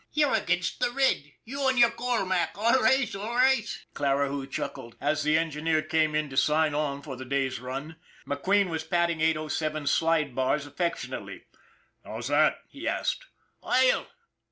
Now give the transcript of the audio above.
" You're against the red, you and your coal, Mac, all right, all right," Clarihue chuckled, as the engineer came in to sign on for the day's run. McQueen was patting 8o2's slide bars affection ately. " How's that? " he asked. "Oil!"